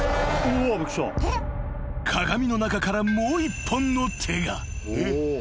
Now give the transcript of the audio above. ［鏡の中からもう１本の手が］